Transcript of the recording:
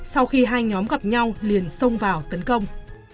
sau khi hai nhóm gặp nhau liền xông vào tấn công